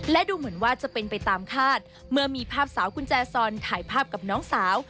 และดูเหมือนว่าจะเป็นไปตามคาดเมื่อมีภาพสาวกุญแจซอนถ่ายภาพกับน้องสาว